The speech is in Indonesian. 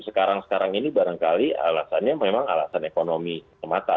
sekarang sekarang ini barangkali alasannya memang alasan ekonomi semata